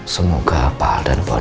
semoga pak al dan bu anin